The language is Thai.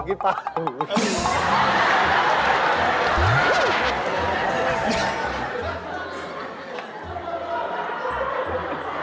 อ๋อกินปลา